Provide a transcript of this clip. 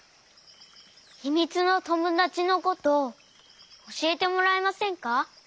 ひみつのともだちのことおしえてもらえませんか？